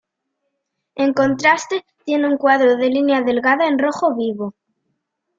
En contraste tiene un cuadro de línea delgada en rojo vivo.